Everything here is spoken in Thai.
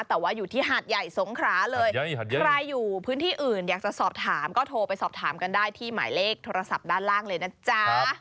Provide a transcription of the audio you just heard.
แต่ว่าอยู่ที่หาดใหญ่สงขราเลยใครอยู่พื้นที่อื่นอยากจะสอบถามก็โทรไปสอบถามกันได้ที่หมายเลขโทรศัพท์ด้านล่างเลยนะจ๊ะ